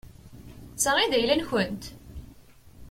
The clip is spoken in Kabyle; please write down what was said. D ta i d ayla-nkent?